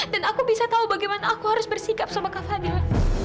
dan aku bisa tahu bagaimana aku harus bersikap sama kak fadil